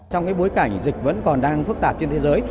trong bối cảnh dịch vẫn còn đang phức tạp trên thế giới